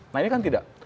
nah ini kan tidak